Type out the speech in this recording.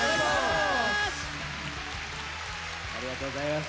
ありがとうございます。